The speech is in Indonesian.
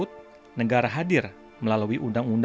sehingga kita bisa memiliki kekuatan yang berbeda